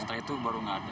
setelah itu baru nggak ada